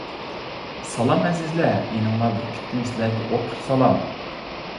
سالام ئەزىزلەر، ئىنىڭلار بۈركۈتتىن سىلەرگە ئوتلۇق سالام!